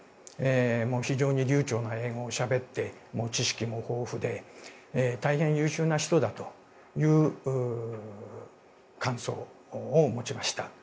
非常に流ちょうな英語をしゃべって、知識も豊富で大変優秀な人だという感想を持ちました。